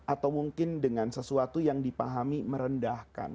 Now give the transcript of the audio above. atau mungkin dengan sesuatu yang dipahami merendahkan